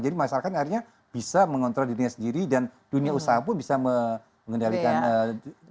jadi masyarakat akhirnya bisa mengontrol dirinya sendiri dan dunia usaha pun bisa mengendalikan dirinya sendiri